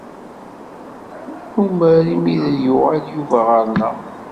Numar imi ay d-yuɣal Yuba ɣer-neɣ.